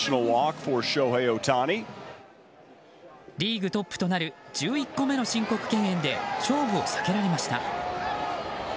リーグトップとなる１１個目の申告敬遠で勝負を避けられました。